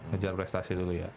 ngejar prestasi dulu ya